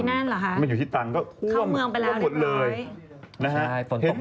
ที่นั่นเหรอคะถ้ามื้องไปแล้วละจดเลยประมาณจากที่ตรัง